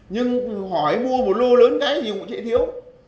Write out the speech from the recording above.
nhưng hỏi mua một lô lớn cái gì cũng sẽ thiếu